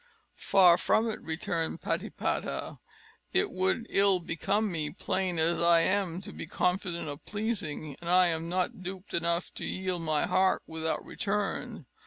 "Far from it," returned Patipata; "it would ill become me, plain as I am, to be confident of pleasing; and I am not dupe enough to yield my heart without return.